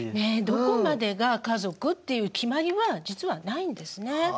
どこまでが家族っていう決まりは実はないんですね。